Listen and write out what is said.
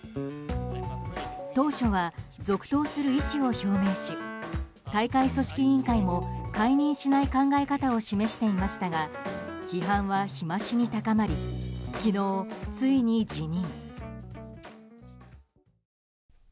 当初は続投する意思を表明し大会組織委員会も解任しない考え方を示していましたが批判は日増しに高まり昨日、ついに辞任。